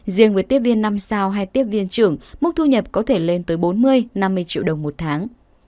riêng với tiếp viên năm sao hai tiếp viên trưởng mức thu nhập có thể lên tới bốn mươi năm mươi triệu đồng một tháng